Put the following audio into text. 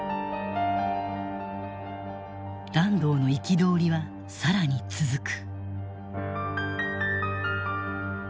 團藤の憤りは更に続く。